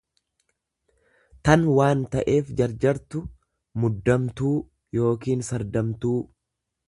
tan waan ta'eef jarjartu, muddamtuu yookiin sardamtuu.